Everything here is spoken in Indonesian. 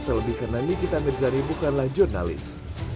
terlebih karena nikita mirzani bukanlah jurnalis